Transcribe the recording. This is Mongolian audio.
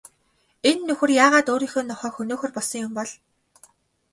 Энэ нөхөр яагаад өөрийнхөө нохойг хөнөөхөөр болсон юм бол?